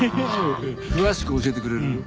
詳しく教えてくれる？